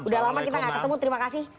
sudah lama kita tidak ketemu terima kasih